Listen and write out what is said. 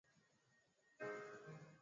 kufikia kiwango cha kipato cha kati